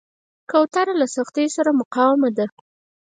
کوتره له سختیو سره مقاوم ده.